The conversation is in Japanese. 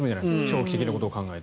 長期的なことを考えて。